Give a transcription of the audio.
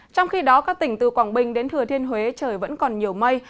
trong khi đó các tỉnh từ quảng bình đến thừa thiên huế trời vẫn còn nhiều mây